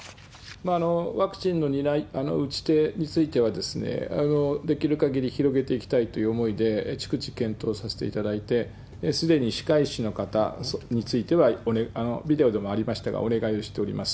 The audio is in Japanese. ワクチンの打ち手については、できるかぎり広げていきたいという思いで逐一検討させていただいて、すでに歯科医師の方については、ビデオでもありましたがお願いをしております。